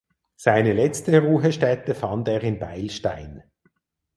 Seine letzte Ruhestätte fand er in Beilstein.